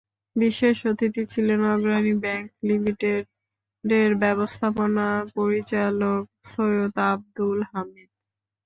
বিশেষ অতিথি ছিলেন অগ্রণী ব্যাংক লিমিটেডের ব্যবস্থাপনা পরিচালক সৈয়দ আবদুল হামিদ।